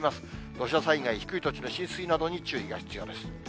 土砂災害、低い土地の浸水などに注意が必要です。